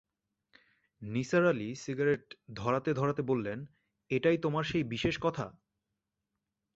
Nisar Ali cigarette ধরাতে-ধরাতে বললেন, এটাই তোমার সেই বিশেষ কথা?